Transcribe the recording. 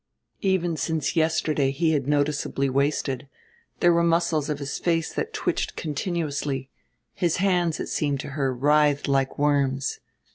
Even since yesterday he had noticeably wasted, there were muscles of his face that twitched continuously; his hands, it seemed to her, writhed like worms.